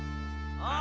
ああ。